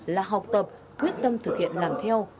là học tập quyết tâm thực hiện làm theo